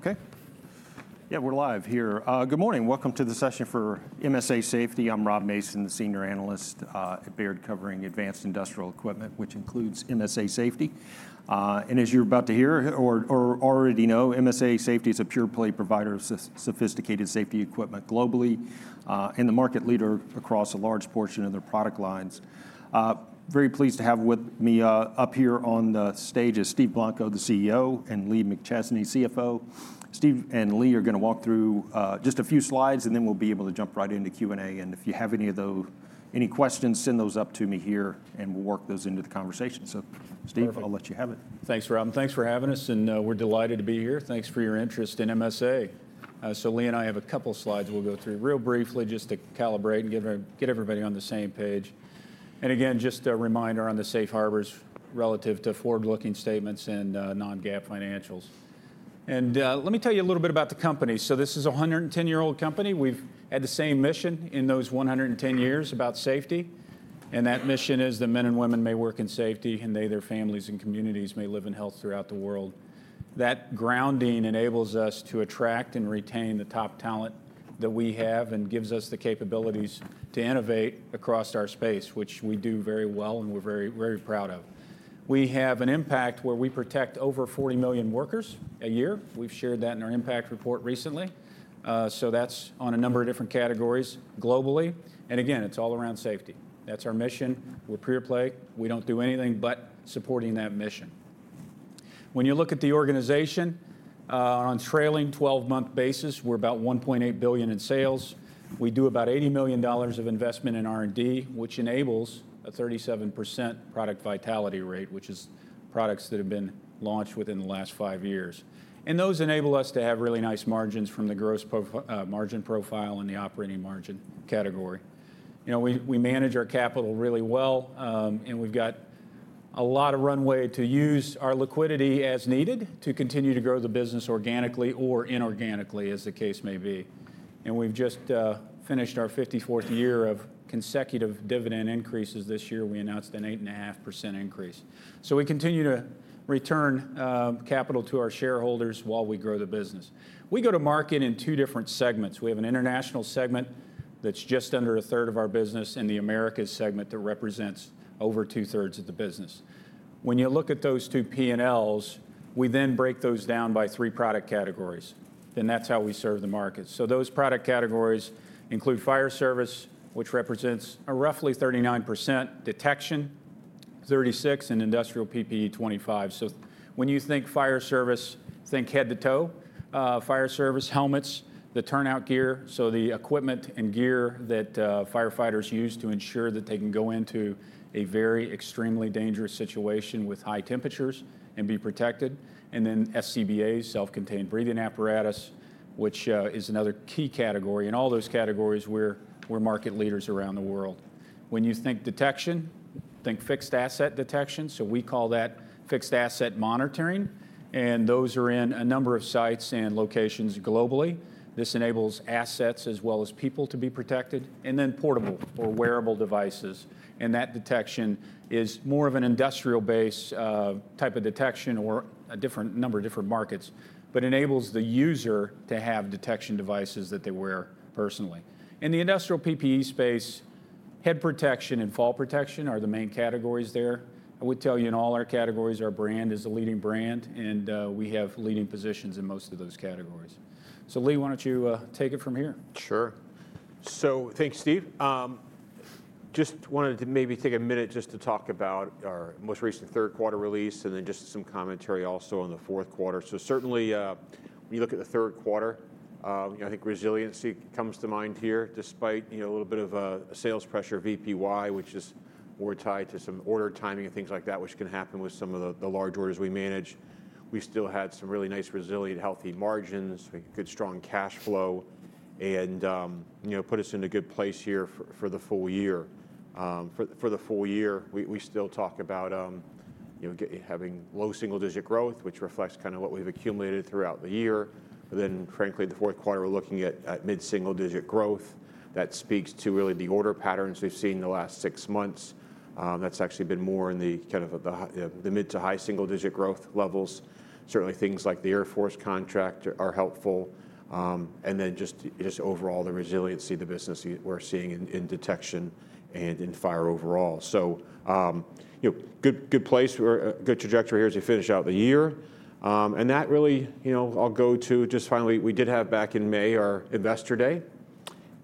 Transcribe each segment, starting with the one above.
Okay. Yeah, we're live here. Good morning. Welcome to the session for MSA Safety. I'm Rob Mason, the Senior Analyst at Baird, covering advanced industrial equipment, which includes MSA Safety. And as you're about to hear or already know, MSA Safety is a pure-play provider of sophisticated safety equipment globally and the market leader across a large portion of their product lines. Very pleased to have with me up here on the stage is Steve Blanco, the CEO, and Lee McChesney, CFO. Steve and Lee are going to walk through just a few slides, and then we'll be able to jump right into Q&A. And if you have any of those questions, send those up to me here, and we'll work those into the conversation. So, Steve, I'll let you have it. Thanks, Rob. Thanks for having us, and we're delighted to be here. Thanks for your interest in MSA. So, Lee and I have a couple of slides we'll go through real briefly just to calibrate and get everybody on the same page. And again, just a reminder on the safe harbors relative to forward-looking statements and non-GAAP financials. And let me tell you a little bit about the company. So this is a 110-year-old company. We've had the same mission in those 110 years about safety. And that mission is that men and women may work in safety, and they and their families and communities may live in health throughout the world. That grounding enables us to attract and retain the top talent that we have and gives us the capabilities to innovate across our space, which we do very well and we're very, very proud of. We have an impact where we protect over 40 million workers a year. We've shared that in our impact report recently. So that's on a number of different categories globally. And again, it's all around safety. That's our mission. We're pure-play. We don't do anything but supporting that mission. When you look at the organization, on a trailing 12-month basis, we're about $1.8 billion in sales. We do about $80 million of investment in R&D, which enables a 37% product vitality rate, which is products that have been launched within the last five years. And those enable us to have really nice margins from the gross margin profile and the operating margin category. We manage our capital really well, and we've got a lot of runway to use our liquidity as needed to continue to grow the business organically or inorganically, as the case may be. And we've just finished our 54th year of consecutive dividend increases this year. We announced an 8.5% increase. So we continue to return capital to our shareholders while we grow the business. We go to market in two different segments. We have an international segment that's just under a third of our business and the Americas segment that represents over two-thirds of the business. When you look at those two P&Ls, we then break those down by three product categories. And that's how we serve the market. So those product categories include fire service, which represents roughly 39%, detection 36%, and industrial PPE 25%. So when you think fire service, think head-to-toe fire service helmets, the turnout gear, so the equipment and gear that firefighters use to ensure that they can go into a very extremely dangerous situation with high temperatures and be protected. And then SCBA, self-contained breathing apparatus, which is another key category. In all those categories, we're market leaders around the world. When you think detection, think fixed asset detection. So we call that fixed asset monitoring. And those are in a number of sites and locations globally. This enables assets as well as people to be protected. And then portable or wearable devices. And that detection is more of an industrial-based type of detection or a different number of different markets, but enables the user to have detection devices that they wear personally. In the industrial PPE space, head protection and fall protection are the main categories there. I would tell you in all our categories, our brand is a leading brand, and we have leading positions in most of those categories. So, Lee, why don't you take it from here? Sure. So thanks, Steve. Just wanted to maybe take a minute just to talk about our most recent third quarter release and then just some commentary also on the fourth quarter. So certainly, when you look at the third quarter, I think resiliency comes to mind here, despite a little bit of sales pressure, VPY, which is more tied to some order timing and things like that, which can happen with some of the large orders we manage. We still had some really nice, resilient, healthy margins, good, strong cash flow, and put us in a good place here for the full year. For the full year, we still talk about having low single-digit growth, which reflects kind of what we've accumulated throughout the year. Then, frankly, the fourth quarter, we're looking at mid-single-digit growth. That speaks to really the order patterns we've seen in the last six months. That's actually been more in the kind of the mid- to high-single-digit growth levels. Certainly, things like the Air Force contract are helpful, and then just overall, the resiliency of the business we're seeing in detection and in fire overall, so good place, good trajectory here as we finish out the year. And that really, I'll go to just finally, we did have back in May our investor day,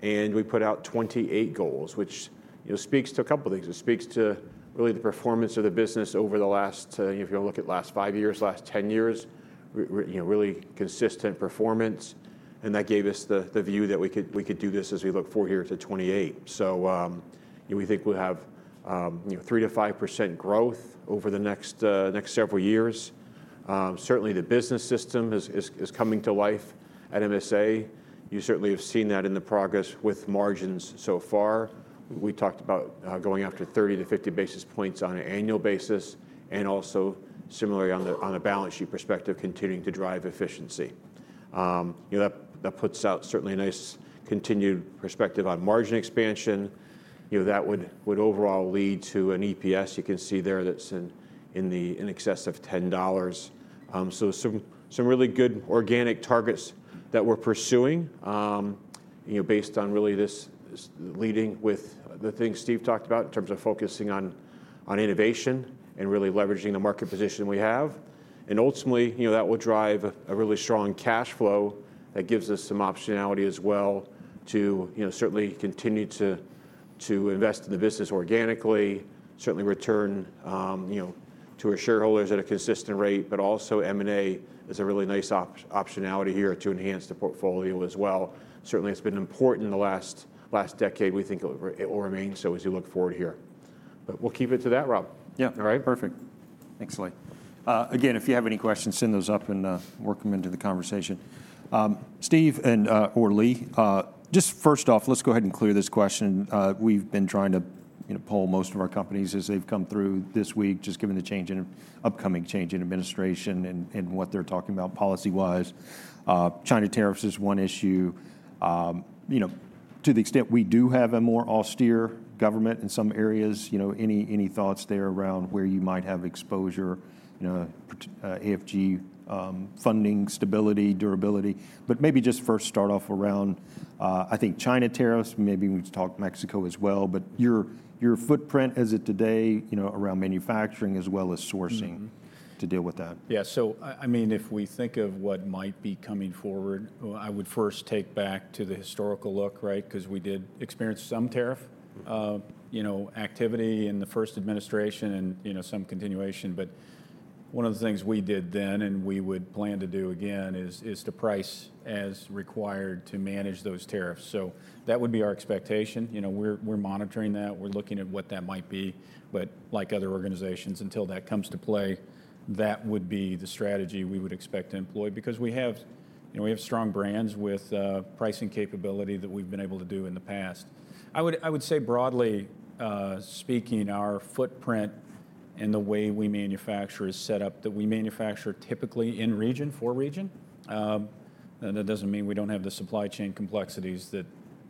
and we put out 2028 goals, which speaks to a couple of things. It speaks to really the performance of the business over the last, if you look at the last five years, last 10 years, really consistent performance, and that gave us the view that we could do this as we look forward here to 2028, so we think we'll have 3%-5% growth over the next several years. Certainly, the business system is coming to life at MSA. You certainly have seen that in the progress with margins so far. We talked about going after 30 to 50 basis points on an annual basis and also, similarly, on a balance sheet perspective, continuing to drive efficiency. That puts out certainly a nice continued perspective on margin expansion. That would overall lead to an EPS you can see there that's in excess of $10, so some really good organic targets that we're pursuing based on really this leading with the things Steve talked about in terms of focusing on innovation and really leveraging the market position we have. And ultimately, that will drive a really strong cash flow that gives us some optionality as well to certainly continue to invest in the business organically, certainly return to our shareholders at a consistent rate, but also M&A is a really nice optionality here to enhance the portfolio as well. Certainly, it's been important in the last decade. We think it will remain so as we look forward here. But we'll keep it to that, Rob. Yeah. All right. Perfect. Thanks, Lee. Again, if you have any questions, send those up and work them into the conversation. Steve or Lee, just first off, let's go ahead and clear this question. We've been trying to poll most of our companies as they've come through this week, just given the upcoming change in administration and what they're talking about policy-wise. China tariffs is one issue. To the extent we do have a more austere government in some areas, any thoughts there around where you might have exposure, AFG funding, stability, durability? But maybe just first start off around, I think, China tariffs. Maybe we can talk Mexico as well. But your footprint as of today around manufacturing as well as sourcing to deal with that. Yeah. So I mean, if we think of what might be coming forward, I would first take back to the historical look, right, because we did experience some tariff activity in the first administration and some continuation. But one of the things we did then and we would plan to do again is to price as required to manage those tariffs. So that would be our expectation. We're monitoring that. We're looking at what that might be. But like other organizations, until that comes to play, that would be the strategy we would expect to employ because we have strong brands with pricing capability that we've been able to do in the past. I would say, broadly speaking, our footprint and the way we manufacture is set up that we manufacture typically in region for region. That doesn't mean we don't have the supply chain complexities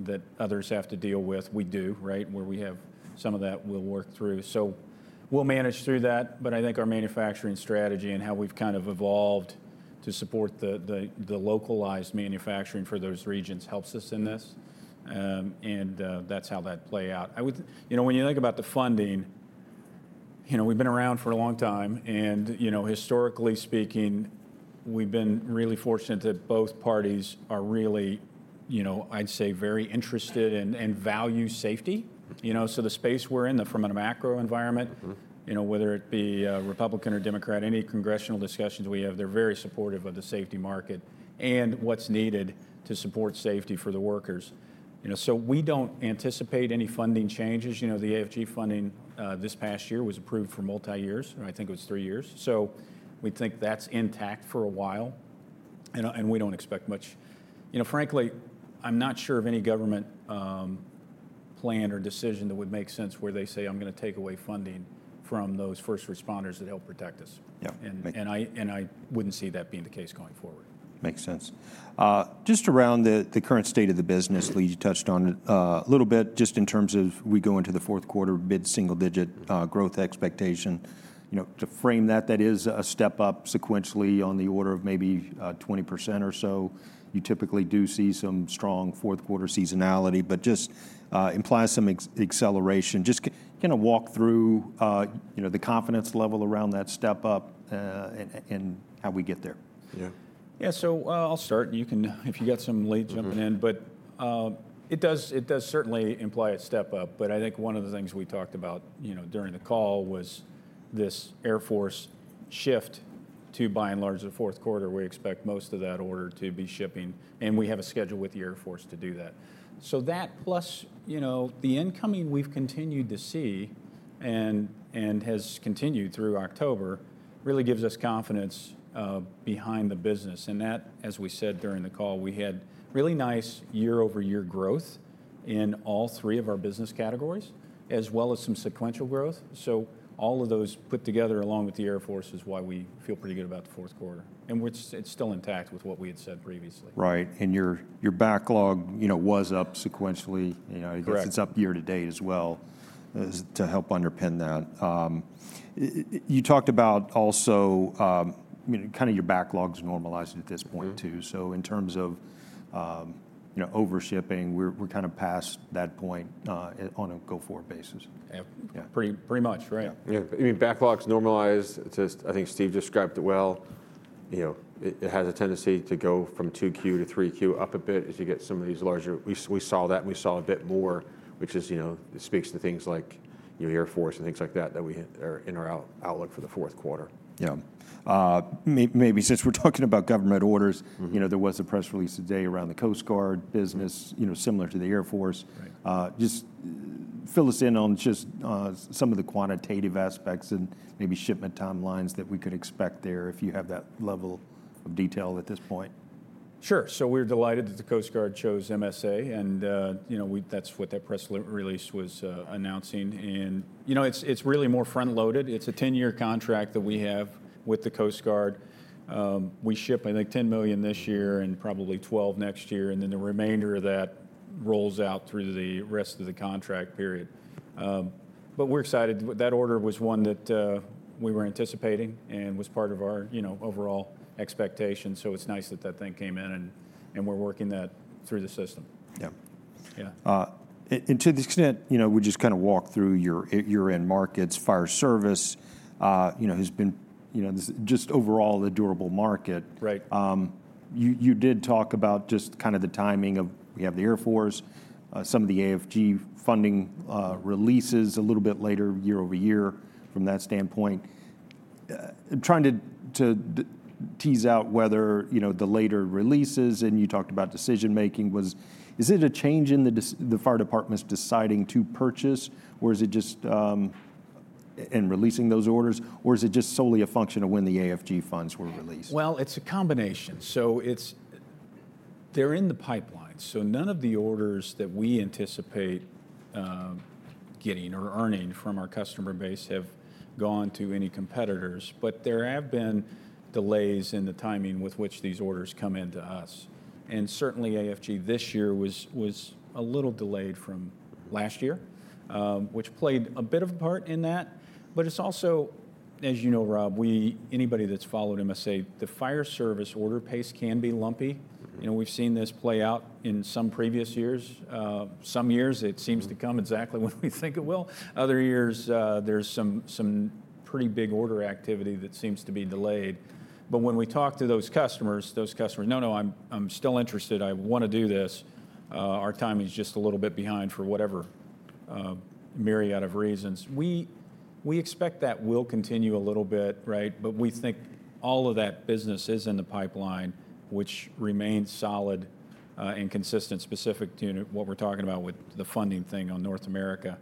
that others have to deal with. We do, right, where we have some of that we'll work through. So we'll manage through that. But I think our manufacturing strategy and how we've kind of evolved to support the localized manufacturing for those regions helps us in this. And that's how that'd play out. When you think about the funding, we've been around for a long time. And historically speaking, we've been really fortunate that both parties are really, I'd say, very interested and value safety. So the space we're in, from a macro environment, whether it be Republican or Democrat, any congressional discussions we have, they're very supportive of the safety market and what's needed to support safety for the workers. So we don't anticipate any funding changes. The AFG funding this past year was approved for multi-years. I think it was three years. So we think that's intact for a while. And we don't expect much. Frankly, I'm not sure of any government plan or decision that would make sense where they say, "I'm going to take away funding from those first responders that help protect us." And I wouldn't see that being the case going forward. Makes sense. Just around the current state of the business, Lee, you touched on it a little bit just in terms of we go into the fourth quarter, mid-single-digit growth expectation. To frame that, that is a step up sequentially on the order of maybe 20% or so. You typically do see some strong fourth-quarter seasonality, but just implies some acceleration. Just kind of walk through the confidence level around that step up and how we get there. Yeah. Yeah. So I'll start. You can, if you got some, Lee, jump in. But it does certainly imply a step up. But I think one of the things we talked about during the call was this Air Force shift to, by and large, the fourth quarter. We expect most of that order to be shipping. And we have a schedule with the Air Force to do that. So that plus the incoming we've continued to see and has continued through October really gives us confidence behind the business. And that, as we said during the call, we had really nice year-over-year growth in all three of our business categories as well as some sequential growth. So all of those put together along with the Air Force is why we feel pretty good about the fourth quarter. And it's still intact with what we had said previously. Right. And your backlog was up sequentially. It's up year to date as well to help underpin that. You talked about also kind of your backlog's normalized at this point too. So in terms of overshipping, we're kind of past that point on a go-forward basis. Yeah. Pretty much, right? Yeah. I mean, backlog's normalized. I think Steve described it well. It has a tendency to go from 2Q to 3Q up a bit as you get some of these larger. We saw that, and we saw a bit more, which speaks to things like Air Force and things like that that we are in our outlook for the fourth quarter. Yeah. Maybe since we're talking about government orders, there was a press release today around the Coast Guard business similar to the Air Force. Just fill us in on just some of the quantitative aspects and maybe shipment timelines that we could expect there if you have that level of detail at this point. Sure. So we're delighted that the Coast Guard chose MSA, and that's what that press release was announcing, and it's really more front-loaded. It's a 10-year contract that we have with the Coast Guard. We ship, I think, $10 million this year and probably $12 million next year, and then the remainder of that rolls out through the rest of the contract period, but we're excited. That order was one that we were anticipating and was part of our overall expectation, so it's nice that that thing came in, and we're working that through the system. Yeah. Yeah. And to the extent we just kind of walk through your end markets, fire service, who's been just overall the durable market. You did talk about just kind of the timing of we have the Air Force, some of the AFG funding releases a little bit later year over year from that standpoint. I'm trying to tease out whether the later releases, and you talked about decision-making, was it a change in the fire department's deciding to purchase, and releasing those orders, or is it just solely a function of when the AFG funds were released? It's a combination. So they're in the pipeline. So none of the orders that we anticipate getting or earning from our customer base have gone to any competitors. But there have been delays in the timing with which these orders come into us. And certainly, AFG this year was a little delayed from last year, which played a bit of a part in that. But it's also, as you know, Rob, anybody that's followed MSA, the fire service order pace can be lumpy. We've seen this play out in some previous years. Some years, it seems to come exactly when we think it will. Other years, there's some pretty big order activity that seems to be delayed. But when we talk to those customers, those customers, "No, no, I'm still interested. I want to do this. Our timing's just a little bit behind for whatever myriad of reasons. We expect that will continue a little bit, right? But we think all of that business is in the pipeline, which remains solid and consistent specific to what we're talking about with the funding thing on North America,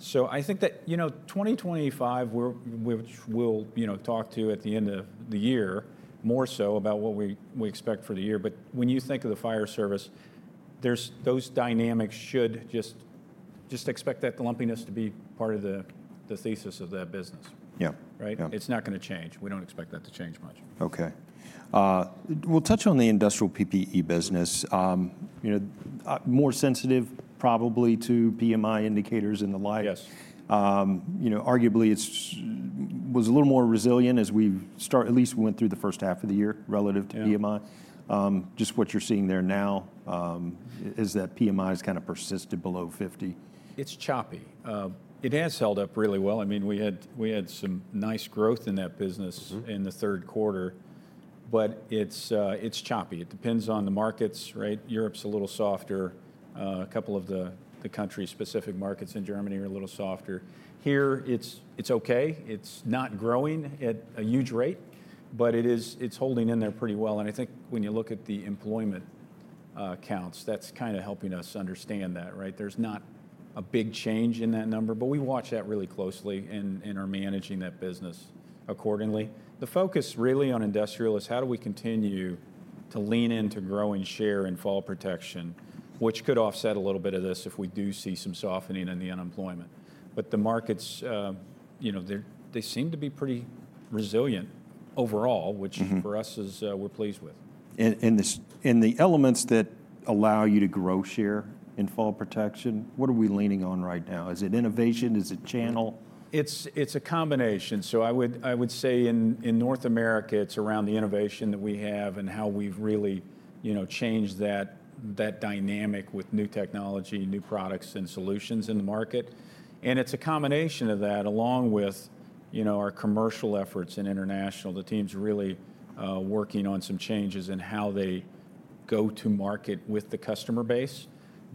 so I think that 2025, which we'll talk to at the end of the year more so about what we expect for the year, but when you think of the fire service, those dynamics should just expect that lumpiness to be part of the thesis of that business, right? It's not going to change. We don't expect that to change much. Okay. We'll touch on the industrial PPE business. More sensitive probably to PMI indicators and the like. Arguably, it was a little more resilient as we at least went through the first half of the year relative to PMI. Just what you're seeing there now is that PMI has kind of persisted below 50. It's choppy. It has held up really well. I mean, we had some nice growth in that business in the third quarter. But it's choppy. It depends on the markets, right? Europe's a little softer. A couple of the country-specific markets in Germany are a little softer. Here, it's okay. It's not growing at a huge rate. But it's holding in there pretty well. And I think when you look at the employment counts, that's kind of helping us understand that, right? There's not a big change in that number. But we watch that really closely and are managing that business accordingly. The focus really on industrial is how do we continue to lean into growing share and fall protection, which could offset a little bit of this if we do see some softening in the unemployment. But the markets, they seem to be pretty resilient overall, which for us, we're pleased with. The elements that allow you to grow share in fall protection, what are we leaning on right now? Is it innovation? Is it channel? It's a combination, so I would say in North America, it's around the innovation that we have and how we've really changed that dynamic with new technology, new products, and solutions in the market, and it's a combination of that along with our commercial efforts and international. The team's really working on some changes in how they go to market with the customer base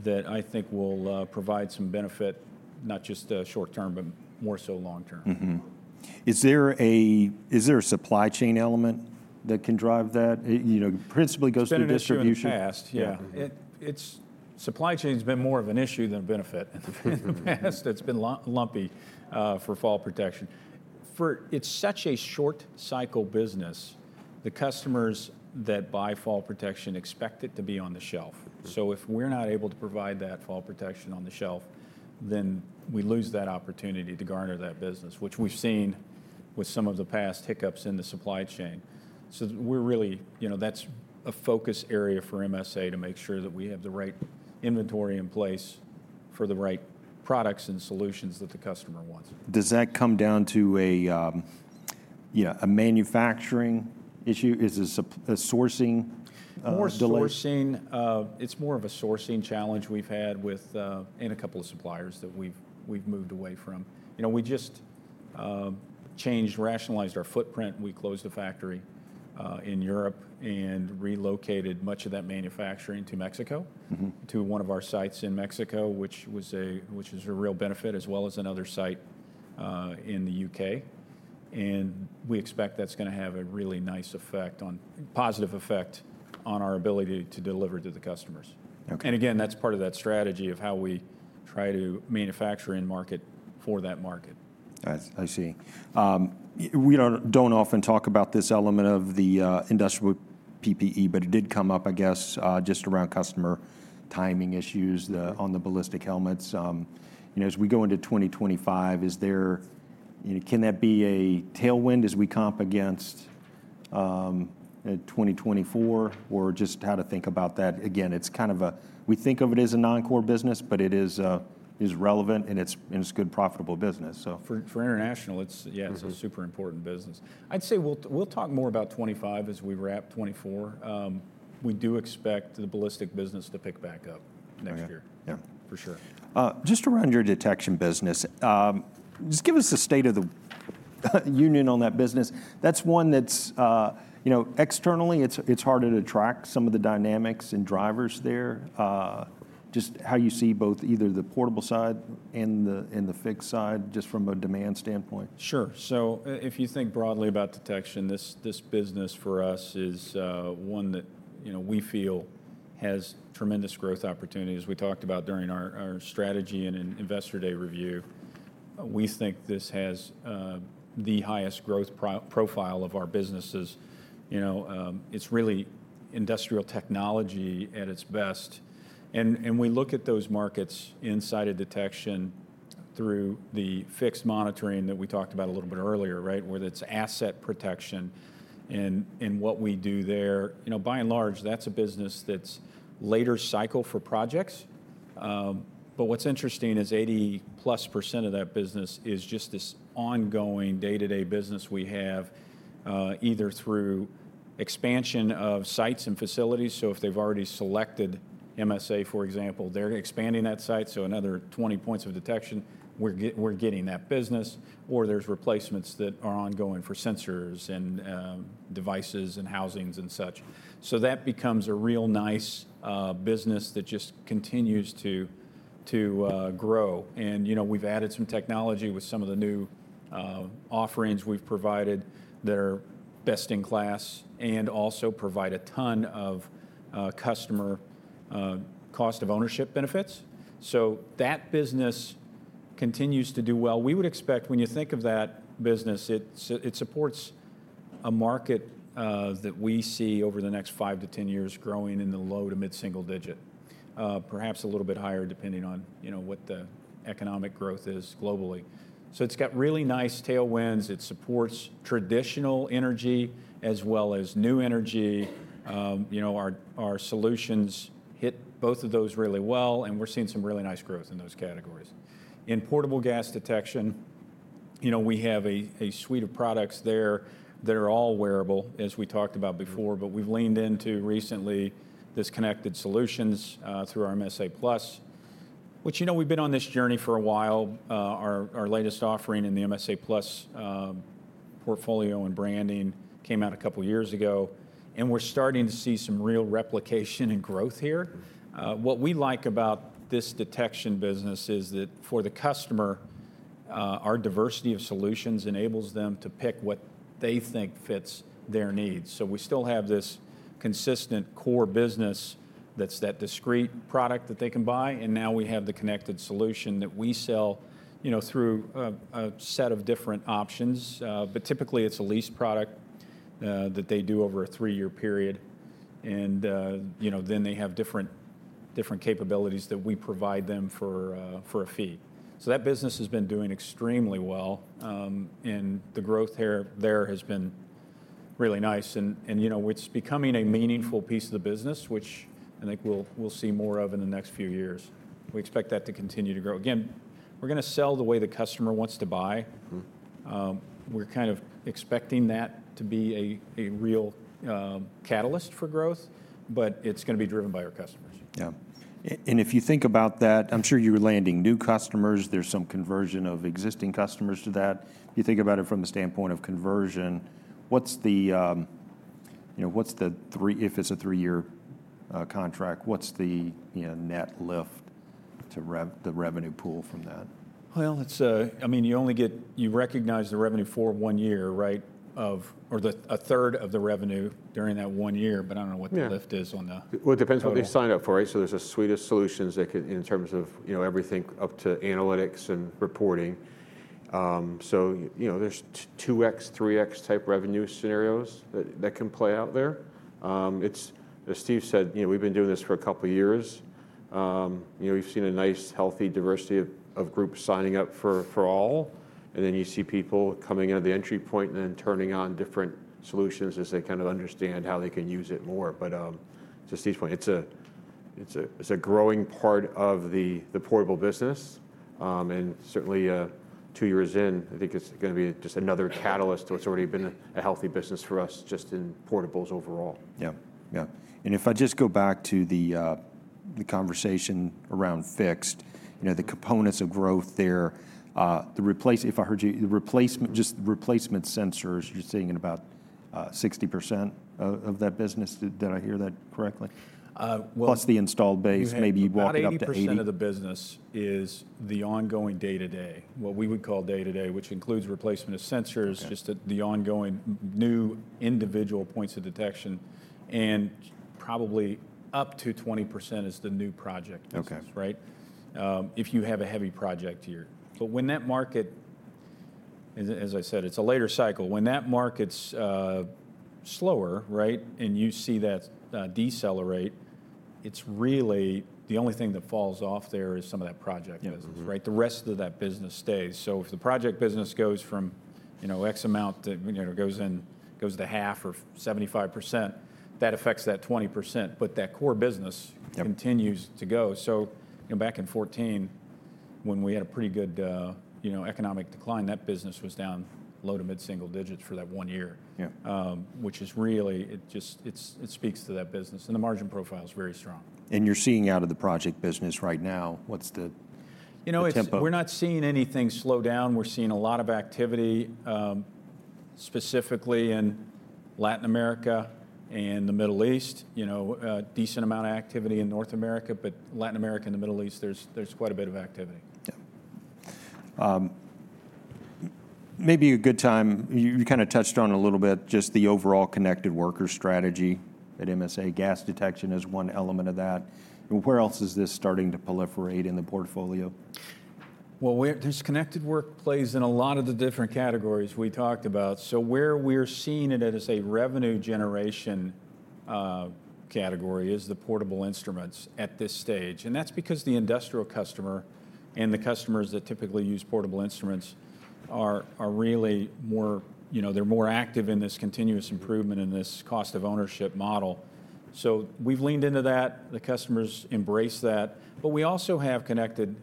that I think will provide some benefit not just short-term, but more so long-term. Is there a supply chain element that can drive that? It principally goes through distribution. Supply chain's been more of an issue than a benefit in the past. It's been lumpy for fall protection. It's such a short-cycle business. The customers that buy fall protection expect it to be on the shelf. So if we're not able to provide that fall protection on the shelf, then we lose that opportunity to garner that business, which we've seen with some of the past hiccups in the supply chain. So that's a focus area for MSA to make sure that we have the right inventory in place for the right products and solutions that the customer wants. Does that come down to a manufacturing issue? Is it a sourcing delay? It's more of a sourcing challenge we've had with a couple of suppliers that we've moved away from. We just changed, rationalized our footprint. We closed a factory in Europe and relocated much of that manufacturing to Mexico, to one of our sites in Mexico, which is a real benefit, as well as another site in the U.K., and we expect that's going to have a really nice effect, positive effect on our ability to deliver to the customers, and again, that's part of that strategy of how we try to manufacture and market for that market. I see. We don't often talk about this element of the industrial PPE, but it did come up, I guess, just around customer timing issues on the ballistic helmets. As we go into 2025, can that be a tailwind as we comp against 2024? Or just how to think about that? Again, it's kind of a we think of it as a non-core business, but it is relevant, and it's good, profitable business. For international, yeah, it's a super important business. I'd say we'll talk more about 2025 as we wrap 2024. We do expect the ballistic business to pick back up next year, for sure. Just around your detection business, just give us the state of the union on that business. That's one that's externally, it's harder to track some of the dynamics and drivers there. Just how you see both either the portable side and the fixed side just from a demand standpoint. Sure. So if you think broadly about detection, this business for us is one that we feel has tremendous growth opportunities. We talked about during our strategy and investor day review. We think this has the highest growth profile of our businesses. It's really industrial technology at its best. And we look at those markets inside of detection through the fixed monitoring that we talked about a little bit earlier, right, where it's asset protection. And what we do there, by and large, that's a business that's later cycle for projects. But what's interesting is 80+% of that business is just this ongoing day-to-day business we have either through expansion of sites and facilities. So if they've already selected MSA, for example, they're expanding that site. So another 20 points of detection, we're getting that business. Or there's replacements that are ongoing for sensors and devices and housings and such. So that becomes a real nice business that just continues to grow. And we've added some technology with some of the new offerings we've provided that are best in class and also provide a ton of customer cost of ownership benefits. So that business continues to do well. We would expect when you think of that business, it supports a market that we see over the next five to 10 years growing in the low to mid-single digit, perhaps a little bit higher depending on what the economic growth is globally. So it's got really nice tailwinds. It supports traditional energy as well as new energy. Our solutions hit both of those really well. And we're seeing some really nice growth in those categories. In portable gas detection, we have a suite of products there that are all wearable, as we talked about before, but we've leaned into recently this connected solutions through our MSA Plus, which we've been on this journey for a while. Our latest offering in the MSA Plus portfolio and branding came out a couple of years ago, and we're starting to see some real replication and growth here. What we like about this detection business is that for the customer, our diversity of solutions enables them to pick what they think fits their needs, so we still have this consistent core business that's that discrete product that they can buy, and now we have the connected solution that we sell through a set of different options, but typically, it's a lease product that they do over a three-year period. And then they have different capabilities that we provide them for a fee. So that business has been doing extremely well. And the growth there has been really nice. And it's becoming a meaningful piece of the business, which I think we'll see more of in the next few years. We expect that to continue to grow. Again, we're going to sell the way the customer wants to buy. We're kind of expecting that to be a real catalyst for growth. But it's going to be driven by our customers. Yeah. And if you think about that, I'm sure you're landing new customers. There's some conversion of existing customers to that. If you think about it from the standpoint of conversion, what's the, if it's a three-year contract, what's the net lift to the revenue pool from that? I mean, you recognize the revenue for one year, right, or a third of the revenue during that one year. But I don't know what the lift is on the. It depends what they sign up for, right? So there's a suite of solutions that can, in terms of everything up to analytics and reporting. So there's 2x, 3x type revenue scenarios that can play out there. As Steve said, we've been doing this for a couple of years. We've seen a nice, healthy diversity of groups signing up for all. And then you see people coming out of the entry point and then turning on different solutions as they kind of understand how they can use it more. But to Steve's point, it's a growing part of the portable business. And certainly, two years in, I think it's going to be just another catalyst to what's already been a healthy business for us just in portables overall. Yeah. Yeah. If I just go back to the conversation around fixed, the components of growth there, if I heard you, just replacement sensors, you're seeing about 60% of that business. Did I hear that correctly? Plus the installed base, maybe you walked out the 80. About 80% of the business is the ongoing day-to-day, what we would call day-to-day, which includes replacement of sensors, just the ongoing new individual points of detection. And probably up to 20% is the new project business, right, if you have a heavy project here. But when that market, as I said, it's a later cycle. When that market's slower, right, and you see that decelerate, it's really the only thing that falls off there is some of that project business, right? The rest of that business stays. So if the project business goes from X amount, goes to half or 75%, that affects that 20%. But that core business continues to go. So back in 2014, when we had a pretty good economic decline, that business was down low to mid-single digits for that one year, which is really, it speaks to that business. The margin profile is very strong. You're seeing out of the project business right now, what's the tempo? We're not seeing anything slow down. We're seeing a lot of activity specifically in Latin America and the Middle East, a decent amount of activity in North America. But Latin America and the Middle East, there's quite a bit of activity. Yeah. Maybe a good time, you kind of touched on a little bit just the overall connected worker strategy at MSA. Gas detection is one element of that. Where else is this starting to proliferate in the portfolio? This connected worker plays in a lot of the different categories we talked about. Where we're seeing it as a revenue generation category is the portable instruments at this stage. That's because the industrial customer and the customers that typically use portable instruments are really more, they're more active in this continuous improvement in this cost of ownership model. We've leaned into that. The customers embrace that. We also have connected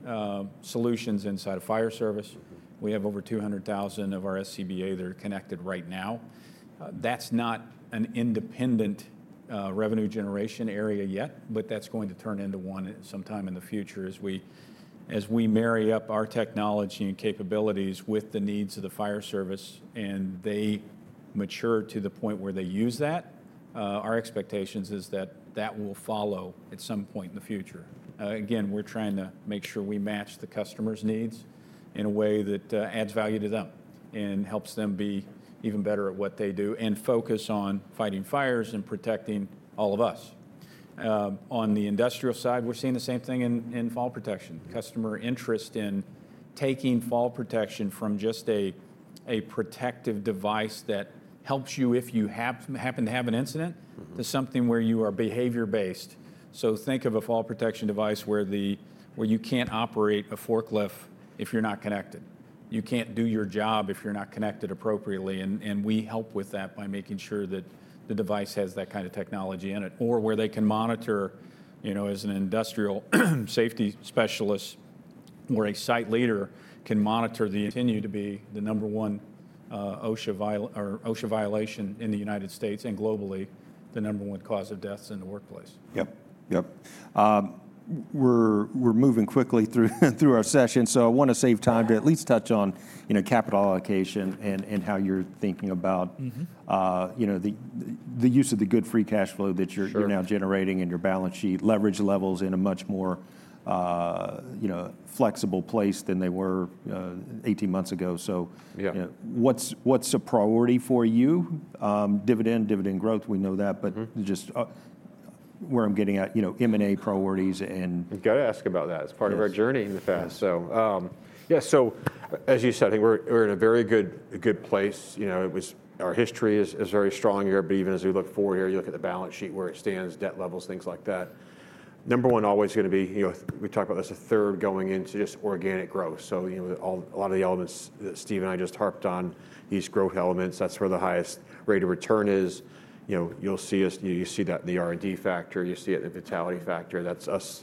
solutions inside of fire service. We have over 200,000 of our SCBA that are connected right now. That's not an independent revenue generation area yet, but that's going to turn into one sometime in the future as we marry up our technology and capabilities with the needs of the fire service. They mature to the point where they use that. Our expectation is that that will follow at some point in the future. Again, we're trying to make sure we match the customer's needs in a way that adds value to them and helps them be even better at what they do and focus on fighting fires and protecting all of us. On the industrial side, we're seeing the same thing in fall protection. Customer interest in taking fall protection from just a protective device that helps you if you happen to have an incident to something where you are behavior-based. So think of a fall protection device where you can't operate a forklift if you're not connected. You can't do your job if you're not connected appropriately. And we help with that by making sure that the device has that kind of technology in it. Or where they can monitor, as an industrial safety specialist or a site leader. Continue to be the number one OSHA violation in the United States and globally the number one cause of deaths in the workplace. Yep. Yep. We're moving quickly through our session. So I want to save time to at least touch on capital allocation and how you're thinking about the use of the good free cash flow that you're now generating in your balance sheet, leverage levels in a much more flexible place than they were 18 months ago. So what's a priority for you? Dividend, dividend growth, we know that. But just where I'm getting at, M&A priorities and. We've got to ask about that. It's part of our journey in the past. So yeah, so as you said, I think we're in a very good place. Our history is very strong here. But even as we look forward here, you look at the balance sheet where it stands, debt levels, things like that. Number one always going to be, we talked about this a third going into just organic growth. So a lot of the elements that Steve and I just harped on, these growth elements, that's where the highest rate of return is. You'll see that in the R&D factor. You see it in the vitality factor. That's us